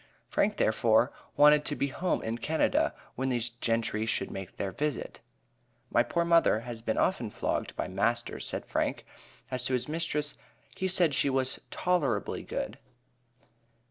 Frank, therefore, wanted to be from home in Canada when these gentry should make their visit. My poor mother has been often flogged by master, said Frank. As to his mistress, he said she was "tolerably good."